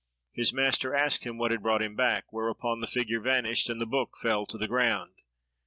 His master asked him what had brought him back, whereupon the figure vanished, and the book fell to the ground.